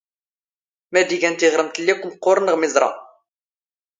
ⵎⴰⴷ ⵉⴳⴰⵏ ⵜⵉⵖⵔⵎⵜ ⵍⵍⵉ ⴰⴽⴽⵯ ⵎⵇⵇⵓⵔⵏ ⵖ ⵎⵉⵥⵕⴰ?